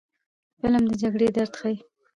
فلم د جګړې درد ښيي